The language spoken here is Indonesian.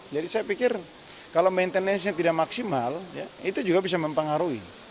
jadi saya pikir kalau maintenancenya tidak maksimal itu juga bisa mempengaruhi